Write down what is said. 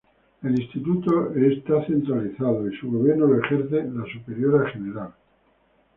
El instituto es centralizado y su gobierno lo ejerce la superiora general.